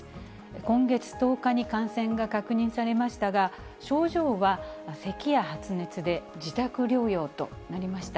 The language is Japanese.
今月１０日に感染が確認されましたが、症状はせきや発熱で、自宅療養となりました。